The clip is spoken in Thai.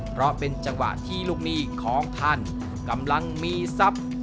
เพราะเป็นจังหวะที่ลูกหนี้ของท่านกำลังมีทรัพย์